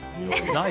ない。